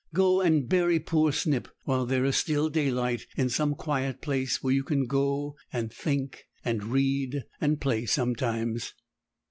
Go and bury poor Snip while there is daylight, in some quiet place where you can go and think and read and play sometimes.'